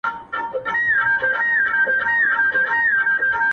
• پلار یې راوستئ عسکرو سم په منډه,